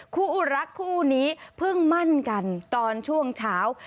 คู่อุรักคู่นี้เพิ่งมั่นกันตอนช่วงเช้า